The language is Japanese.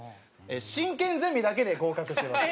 進研ゼミだけで合格してます。